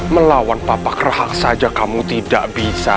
melawan papa kerahak saja kamu tidak bisa